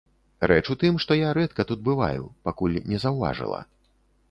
Рэч у тым, што я рэдка тут бываю, пакуль не заўважыла.